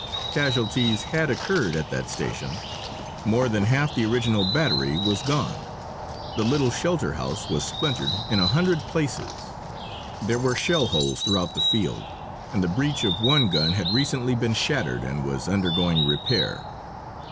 Casualties had occurred at that station. More than half the original battery was gone. The little shelter house was splintered in a hundred places. There were shell holes throughout the field, and the breech of one gun had recently been shattered and was undergoing repair.